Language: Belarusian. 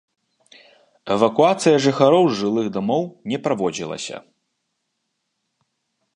Эвакуацыя жыхароў з жылых дамоў не праводзілася.